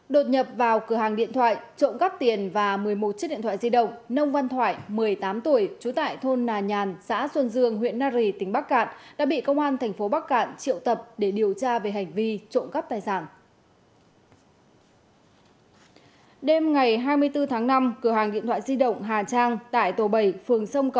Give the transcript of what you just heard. đã bị kẻ gian đột nhập để trộm cắp tài sản